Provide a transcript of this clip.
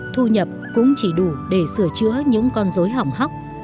thu nhập cũng chỉ đủ để sửa chữa những con dối hỏng hóc